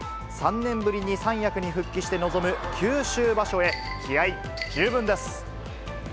３年ぶりに三役に復帰して臨む九州場所へ、気合い十分です。